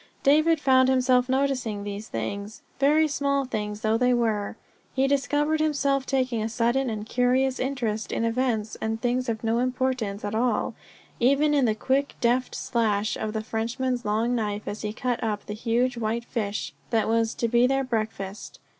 David found himself noticing these things very small things though they were; he discovered himself taking a sudden and curious interest in events and things of no importance at all, even in the quick, deft slash of the Frenchman's long knife as he cut up the huge whitefish that was to be their breakfast.